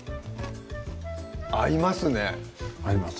合いますね合います